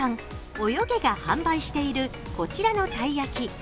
ＯＹＯＧＥが販売しているこちらのたい焼き。